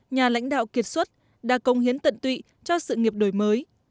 nhà lãnh đạo kiệt xuất đã công hiến tận tụy cho sự nghiệp đổi mới